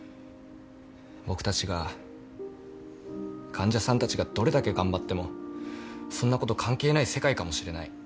僕たちが患者さんたちがどれだけ頑張ってもそんなこと関係ない世界かもしれない。